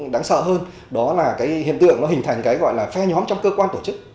đáng sợ hơn đó là cái hiện tượng nó hình thành cái gọi là phe nhóm trong cơ quan tổ chức